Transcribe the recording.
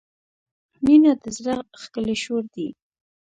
• مینه د زړۀ ښکلی شور دی.